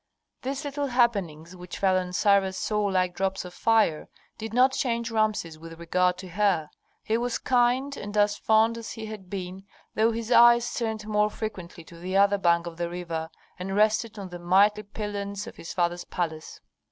These little happenings, which fell on Sarah's soul like drops of fire, did not change Rameses with regard to her. He was kind and as fond as he had been, though his eyes turned more frequently to the other bank of the river, and rested on the mighty pylons of his father's palace.